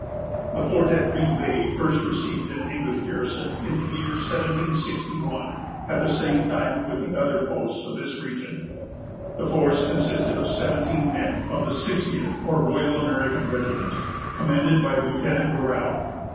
The fort at Green Bay first received an English garrison in the year 1761, at the same time with the other posts of this region. The force consisted of seventeen men, of the 60th or Royal American regiment, commanded by Lieutenant Gorell.